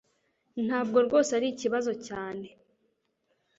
Ntabwo rwose ari ikibazo cyane